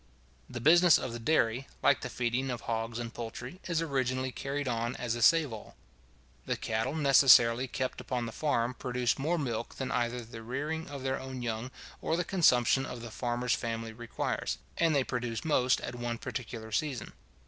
The business of the dairy, like the feeding of hogs and poultry, is originally carried on as a save all. The cattle necessarily kept upon the farm produce more milk than either the rearing of their own young, or the consumption of the farmer's family requires; and they produce most at one particular season.